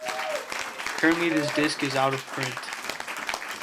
Currently, this disc is out-of-print.